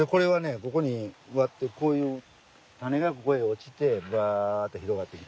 ここに植わってこういう種がここへ落ちてバッて広がってきた。